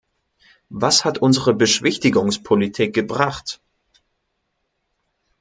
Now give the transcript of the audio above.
Was hat unsere Beschwichtigungspolitik gebracht?